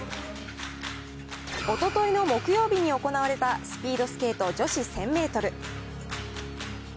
おとといの木曜日に行われた、スピードスケート女子１０００メートル。